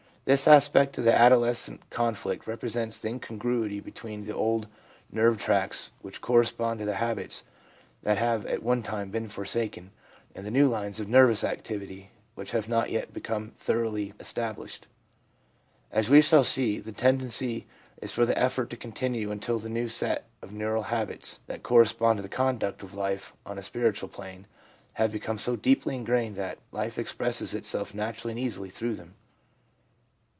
This aspect of the adolescent conflict represents the incongruity between the old nerve tracts, which corre spond to the habits that have at one time been forsaken, and the new lines of nervous activity, which have not yet become thoroughly established. As we shall see, the tendency is for the effort to continue until the new set of neural habits, that correspond to the conduct of life on a spiritual plane, have become so deeply in grained that life expresses itself naturally and easily through them.